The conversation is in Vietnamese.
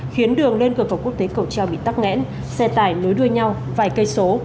khiến đường lên cửa khẩu quốc tế cầu treo bị tắt ngẽn xe tải nối đuôi nhau vài cây số